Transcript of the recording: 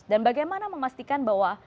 dan bagaimana memastikan bahwa